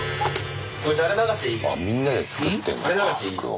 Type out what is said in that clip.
あみんなで作ってんのか服を。